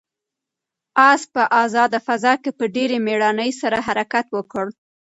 آس په آزاده فضا کې په ډېرې مېړانې سره حرکت وکړ.